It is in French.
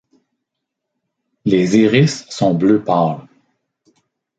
Les iris sont bleu pâle.